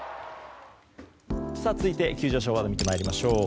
続いて、急上昇ワードを見てまいりましょう。